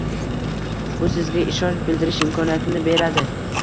Bu sizga ishonch bildirish imkoniyatini beradi